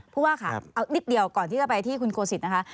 ผู้ว่าค่ะเอานิดเดียวก่อนที่จะไปที่คุณโกสิตนะคะ